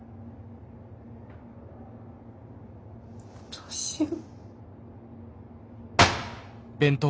どうしよう。